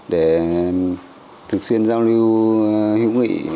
để thường xuyên giao lưu hữu nghị